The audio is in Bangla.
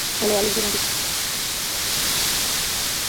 খেলোয়াড়ী জীবন থেকে অবসর নেয়ার পর তিনি ক্রিকেট প্রশাসক মনোনীত হন।